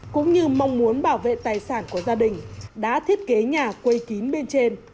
cũng như mong muốn bảo vệ tài sản của gia đình đã thiết kế nhà quây kín bên trên